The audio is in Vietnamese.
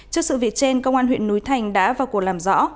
trước sự việc trên công an huyện núi thành đã vào cuộc làm rõ